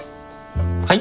はい？